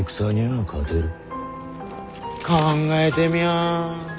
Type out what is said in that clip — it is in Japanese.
考えてみやあ。